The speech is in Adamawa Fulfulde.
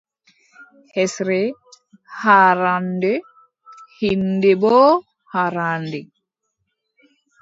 Hesre haarannde, hiinde boo haarannde.